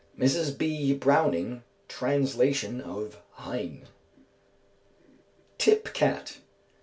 MRS. B. BROWNING (translation of "Heine"). _Tip cat.